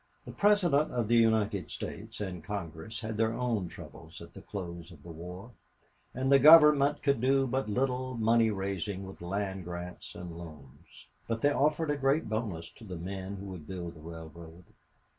The President of the United States and Congress had their own troubles at the close of the war, and the Government could do but little money raising with land grants and loans. But they offered a great bonus to the men who would build the railroad.